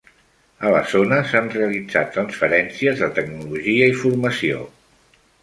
A la zona s'han realitzat transferències de tecnologia i formació.